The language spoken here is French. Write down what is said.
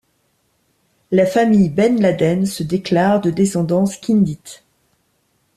La famille ben Laden se déclare de descendance kindite.